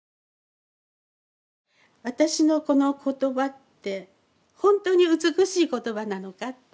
私のこの言葉ってほんとに美しい言葉なのかって。